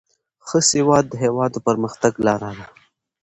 ښه سواد د هیواد د پرمختګ لاره ده.